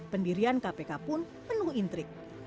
pendirian kpk pun penuh intrik